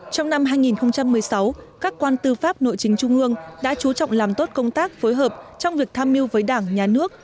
trong năm hai nghìn một mươi sáu các quan tư pháp nội chính trung ương đã chú trọng làm tốt công tác phối hợp trong việc tham mưu với đảng nhà nước